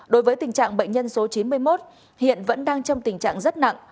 đối với tình trạng bệnh nhân số chín mươi một hiện vẫn đang trong tình trạng rất nặng